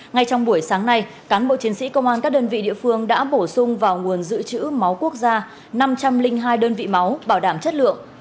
ngay trong buổi sáng nay cán bộ chiến sĩ công an các đơn vị địa phương đã bổ sung vào nguồn dự trữ máu quốc gia năm trăm linh hai đơn vị máu bảo đảm chất lượng